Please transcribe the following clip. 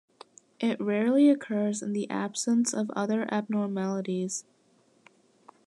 It rarely occurs in the absence of other abnormalities.